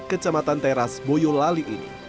kecamatan teras boyolali ini